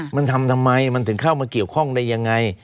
มันทำทำไมมันถึงเข้ามาเกี่ยวข้องได้ยังไง